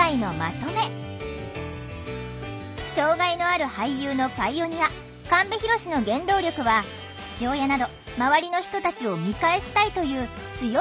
障害のある俳優のパイオニア神戸浩の原動力は父親など周りの人たちを見返したいという強い願望だった！